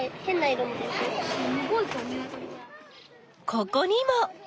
ここにも！